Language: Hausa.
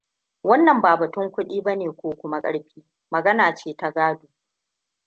Wannan ba batun kuɗi bane ko kuma ƙarfi. Magana ce ta gado.